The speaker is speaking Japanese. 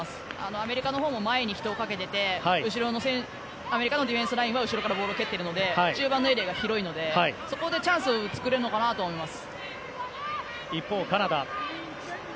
アメリカのほうも前に人をかけててアメリカのディフェンスラインは後ろからボールを蹴っているので中盤のエリアが広いのでそこでチャンスを作れるのかなと思います。